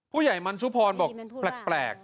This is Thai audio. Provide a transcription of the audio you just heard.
ผู้ใหญ่มันชุพรบอกแปลก